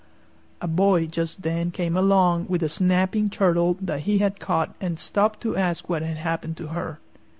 A boy just then came along with a snapping turtle that he had caught and stopped to ask what had happened to her.